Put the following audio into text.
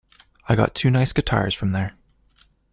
I got two nice guitars from there.